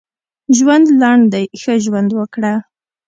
ژوند لنډ دی ښه ژوند وکړه.